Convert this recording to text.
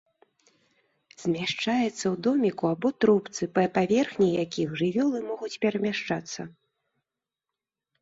Змяшчаецца ў доміку або трубцы, па паверхні якіх жывёлы могуць перамяшчацца.